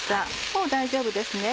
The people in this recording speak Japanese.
もう大丈夫ですね。